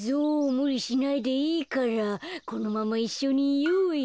むりしないでいいからこのままいっしょにいようよ。